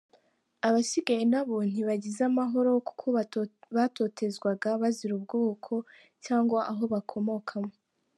Abasigaye nabo ntibagize amahoro, kuko batotezwaga bazira ubwoko cyangwa aho bakomokamo.